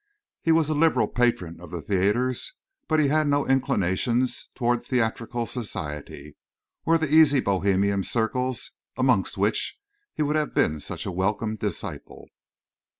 He was a liberal patron of the theatres, but he had no inclinations towards theatrical society, or the easy Bohemian circles amongst which he would have been such a welcome disciple.